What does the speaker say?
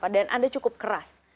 dan anda cukup keras